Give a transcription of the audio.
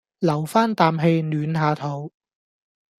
留返啖氣暖下肚